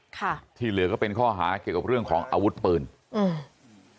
ค่ะที่เหลือก็เป็นข้อหาเกี่ยวกับเรื่องของอาวุธปืนอืม